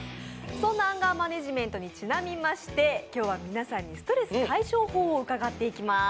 そんなアンガーマネジメントにちなみまして今日は皆さんにストレス解消法を伺っていきます。